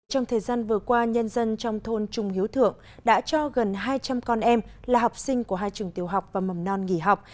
trong thời gian vừa qua nhân dân trong thôn trung hiếu thượng đã cho gần hai trăm linh con em là học sinh của hai trường tiểu học và mầm non nghỉ học